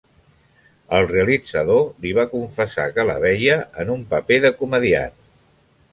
El realitzador li va confessar que la veia en un paper de comediant.